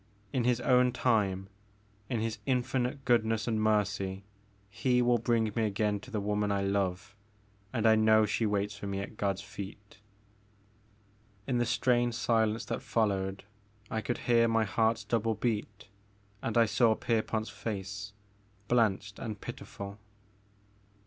In His own time, in His infinite goodness and mercy He will bring me again to the woman I love. And I know she waits for me at God's feet." In the strained silence that followed I could hear my heart's double beat and I saw Pierpont's face, blanched and pitiful.